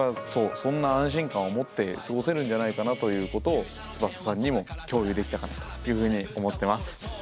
そんな安心感を持って過ごせるんじゃないかということをつばささんにも共有できたかなというふうに思ってます。